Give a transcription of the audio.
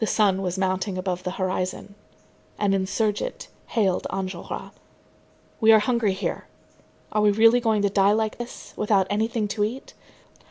The sun was mounting above the horizon. An insurgent hailed Enjolras. "We are hungry here. Are we really going to die like this, without anything to eat?"